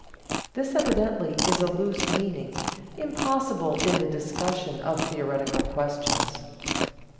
This evidently is a loose meaning, impossible in the discussion of theoretical questions.